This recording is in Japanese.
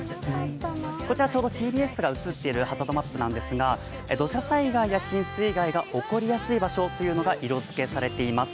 こちらちょうどＴＢＳが映っているハザードマップなんですが土砂災害や浸水害が起こりやすい場所というのが色づけされています。